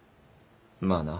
まあな。